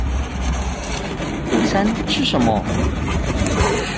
午餐吃什麼